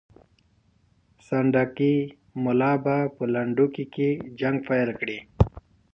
سنډکي ملا به په لنډکي کې جنګ پیل کړي.